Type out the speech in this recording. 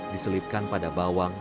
diselipkan pada bawang